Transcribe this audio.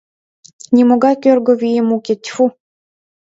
Нимогай кӧргӧ вием уке, тьфу!